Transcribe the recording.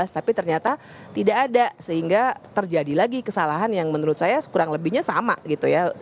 tapi ternyata tidak ada sehingga terjadi lagi kesalahan yang menurut saya kurang lebihnya sama gitu ya